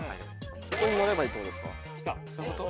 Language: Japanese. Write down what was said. そこに乗ればいいってことですか。